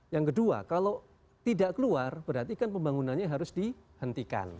yang kedua kalau tidak keluar berarti kan pembangunannya harus dihentikan